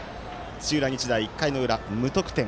土浦日大、１回の裏、無得点。